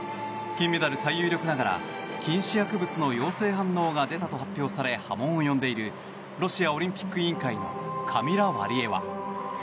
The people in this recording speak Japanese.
金メダル最有力ながら禁止薬物の陽性反応が出たと発表され波紋を呼んでいるロシアオリンピック委員会のカミラ・ワリエワ。